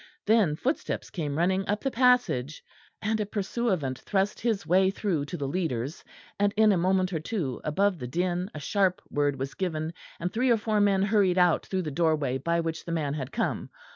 Then footsteps came running up the passage, and a pursuivant thrust his way through to the leaders; and, in a moment or two, above the din a sharp word was given, and three or four men hurried out through the doorway by which the man had come.